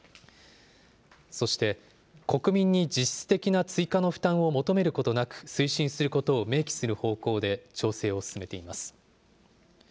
そして、国民に実質的な追加の負担を求めることなく、推進することを明記する方向で調整を進めています。